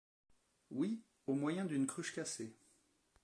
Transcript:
Oui, au moyen d’une cruche cassée.